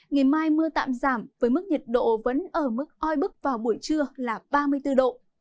ngày mai mưa tạm giảm với mức nhiệt độ vẫn ở mức oi bức vào buổi trưa là ba mươi bốn độ